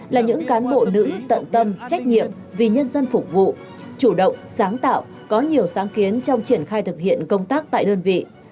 là những cán bộ nữ tận tâm trách nhiệm vì nhân dân phục vụ chủ động sáng tạo có nhiều sáng kiến trong triển khai thực hiện công tác tại đơn vị